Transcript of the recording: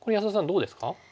どうですか？